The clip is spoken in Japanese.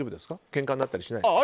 けんかになったりしないですか？